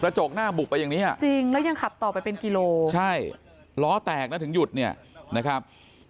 จกหน้าบุบไปอย่างนี้อ่ะจริงแล้วยังขับต่อไปเป็นกิโลใช่ล้อแตกนะถึงหยุดเนี่ยนะครับ